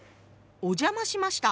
「お邪魔しました」。